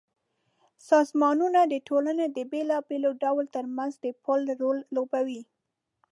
سازمانونه د ټولنې د بېلابېلو ډلو ترمنځ د پُل رول لوبوي.